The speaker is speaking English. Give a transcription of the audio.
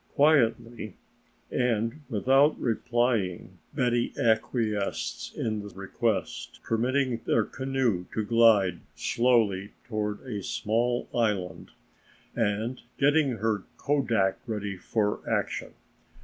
Quietly and without replying Betty acquiesced in the request, permitting their canoe to glide slowly toward a small island and getting her kodak ready for action.